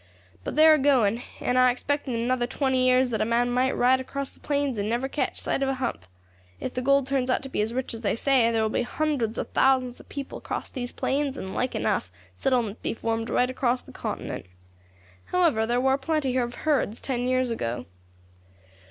But they are going, and I expect in another twenty years that a man might ride across the plains and never catch sight of a hump. If the gold turns out to be as rich as they say, there will be hundreds of thousands of people cross these plains, and, like enough, settlements be formed right across the continent. However, there war plenty of herds ten years ago.